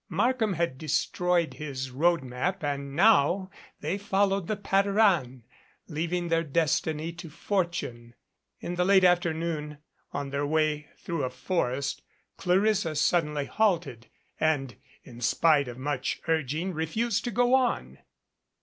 Markham had destroyed his road map and now they followed the patter an, leaving their destiny to fortune. In the late afternoon, on their way through a forest, Clarissa suddenly halted and, in spite of much urging, refused to go on.